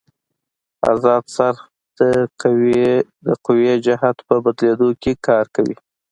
ازاد څرخ د قوې جهت په بدلېدو کې کار کوي.